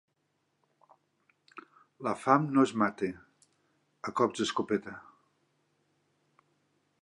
La fam no es mata a cops d'escopeta.